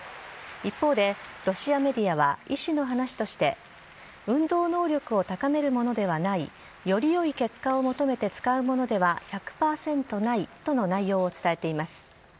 一方でロシアメディアは医師の話として運動能力を高めるものではないより良い結果を求めて使うものでは１００％ないとの内容を伝えています。